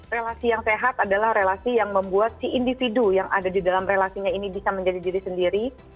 relasi yang sehat adalah relasi yang membuat si individu yang ada di dalam relasinya ini bisa menjadi diri sendiri